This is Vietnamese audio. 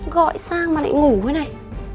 gọi sang mà lại ngủ thế này